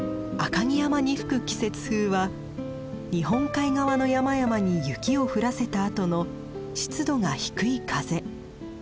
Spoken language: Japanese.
赤城山に吹く季節風は日本海側の山々に雪を降らせたあとの湿度が低い風。